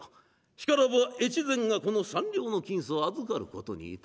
しからば越前がこの三両の金子を預かることにいたそう。